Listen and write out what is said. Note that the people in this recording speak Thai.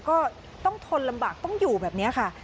ก็ต้องทนลำบากต้องอยู่แบบนี้ค่ะ